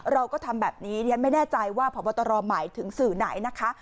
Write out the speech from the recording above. เราก็ทำแบบนี้ดิฉันไม่แน่ใจว่าพบตรหมายถึงสื่อไหนนะคะ